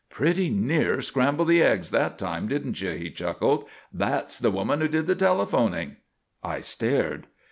"Pretty near scrambled the eggs that time, didn't you?" he chuckled. "That's the woman who did the telephoning." I stared.